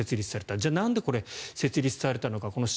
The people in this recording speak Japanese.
じゃあ、なんでこれ設立されたのか。